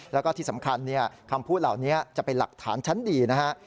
แล้วก็ที่สำคัญคำพูดเหล่านี้จะเป็นหลักฐานชั้นดีนะฮะ